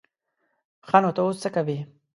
ښه نو ته اوس څه کوې؟